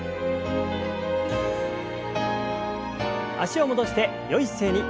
脚を戻してよい姿勢に。